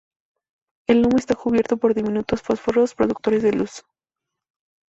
El lomo está cubierto de diminutos fotóforos productores de luz.